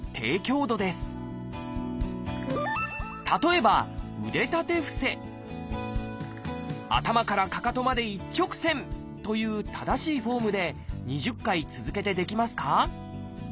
例えば頭からかかとまで一直線という正しいフォームで２０回続けてできますか？